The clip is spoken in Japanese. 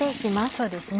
そうですね。